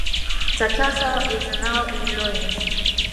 The castle is now in ruins.